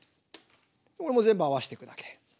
これも全部合わせていくだけ。